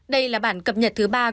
đây là bản cập nhật thứ ba